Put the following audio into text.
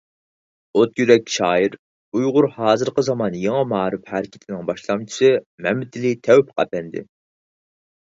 ئوت يۈرەك شائىر، ئۇيغۇر ھازىرقى زامان يېڭى مائارىپ ھەرىكىتىنىڭ باشلامچىسى مەمتىلى تەۋپىق ئەپەندى.